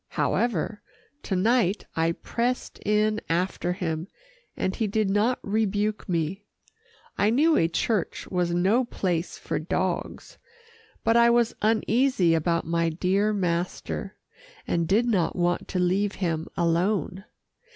However, to night I pressed in after him, and he did not rebuke me. I knew a church was no place for dogs, but I was uneasy about my dear master, and did not want to leave him alone.